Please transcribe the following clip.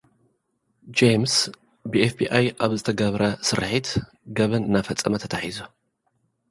ጀይምስ ብኤፍ ቢ ኣይ ኣብ ዝተገብረ ስርሒት፡ ገበን እናፈጸመ ተታሒዙ።